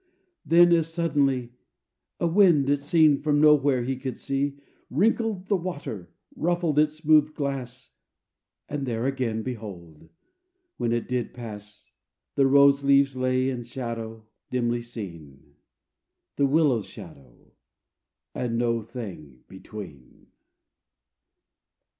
Then, as suddenly, A wind, it seemed, from nowhere he could see, Wrinkled the water; ruffled its smooth glass; And there again, behold! when it did pass The rose leaves lay and shadow, dimly seen; The willow's shadow, and no thing between.